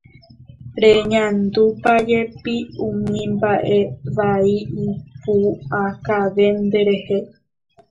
Reñandúpajepi umi mba'evai ipu'akave nderehe.